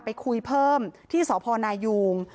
ไปคุยเพิ่มที่สพนายุง